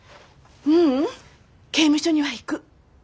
ううん刑務所には行く。